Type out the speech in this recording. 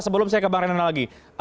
sebelum saya ke bang renal lagi